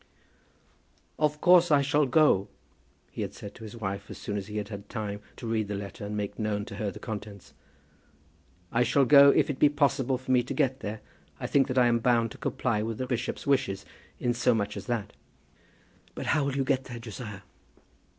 "Of course I shall go," he had said to his wife as soon as he had had time to read the letter, and make known to her the contents. "I shall go if it be possible for me to get there. I think that I am bound to comply with the bishop's wishes in so much as that." "But how will you get there, Josiah?"